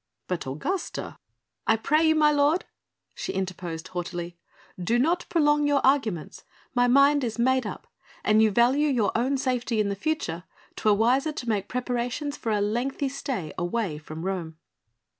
"But Augusta ..." "I pray you, my lord," she interposed haughtily, "do not prolong your arguments. My mind is made up. An you value your own safety in the future, 'twere wiser to make preparations for a lengthy stay away from Rome."